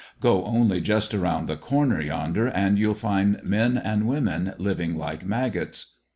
Go only just around the corner yonder and you'll find men and women living like maggots."